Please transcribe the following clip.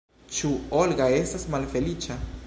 Ĉu Olga estas malfeliĉa?